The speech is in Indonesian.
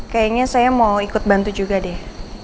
kayaknya saya mau ikut bantu juga deh